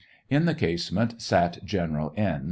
In the casemate sat General N.